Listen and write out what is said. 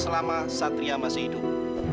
selama satria masih hidup